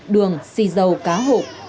đường xì dầu cá hộp